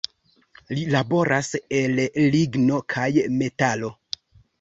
Li laboras el ligno kaj metalo.